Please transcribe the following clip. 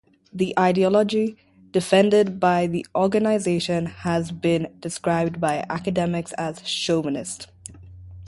The ideology defended by the organization has been described by academics as chauvinist.